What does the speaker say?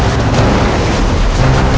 aku ingin menemukanmu